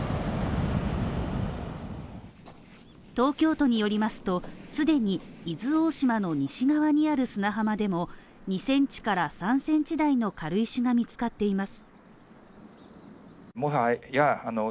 東京都によりますと、既に伊豆大島の西側にある砂浜でも２センチから３センチ大の軽石が見つかっています。